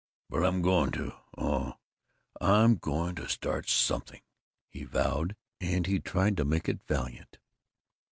"But I'm going to oh, I'm going to start something!" he vowed, and he tried to make it valiant.